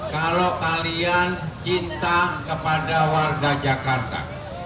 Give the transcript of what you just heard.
kalau kalian cinta kepada warga jakarta